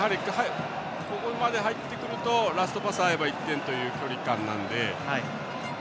ここまで入ってくるとラストパスが合えば１点という距離感なんで。